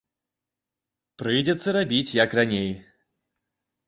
Прыйдзецца рабіць, як раней.